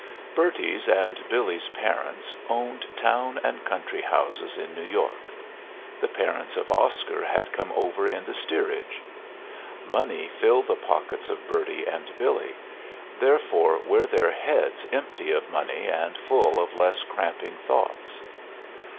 Bertie's and Billy's parents owned town and country houses in New York. The parents of Oscar had come over in the steerage. Money filled the pockets of Bertie and Billy; therefore were their heads empty of money and full of less cramping thoughts.